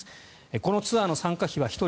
このツアーの参加費は１人